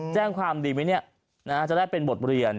แจ้งความดีไหมเนี่ยจะได้เป็นบทเรียน